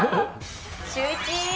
シューイチ！